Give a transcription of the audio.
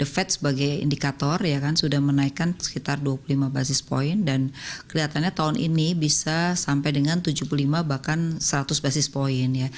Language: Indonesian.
pada tahun ini bisa sampai dengan tujuh puluh lima bahkan seratus basis point